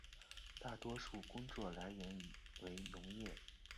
大多数工作来源为农业。